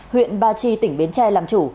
huyện ba chi tỉnh biến tre làm chủ